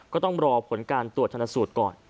ก็ต้องรอผลการตรวจธนสูตรก่อน